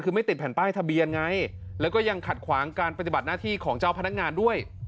คือไม่ติดแผ่นป้ายทะเบียนไงแล้วก็ยังขัดขวางการปฏิบัติหน้าที่ของเจ้าพนักงานด้วย